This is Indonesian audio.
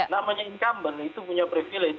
namanya incumbent itu punya privilege